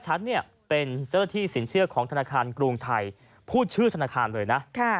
ฉันเนี่ยเป็นเจ้าหน้าที่สินเชื่อของธนาคารกรุงไทยพูดชื่อธนาคารเลยนะ